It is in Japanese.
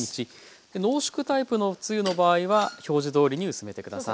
濃縮タイプのつゆの場合は表示どおりに薄めて下さい。